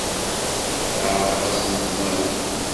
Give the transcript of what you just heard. Teɛreq-asent Mary.